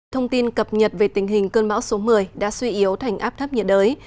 thông tin cập nhật về tình hình cơn bão số một mươi đã suy yếu thành áp thấp nhiệt đới